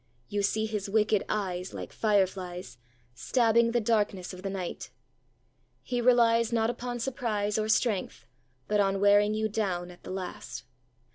You see his wicked eyes, like fireflies, stabbing the darkness of the night. He relies not upon surprise or strength, but on wearing you down at the last.